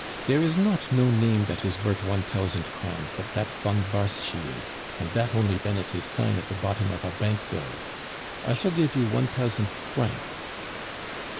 "Dere is not no name dat is vort one tousant crown but dat von Varschild and dat only ven it is sign at the bottom of a bank bill. I shall gif you one tousant franc."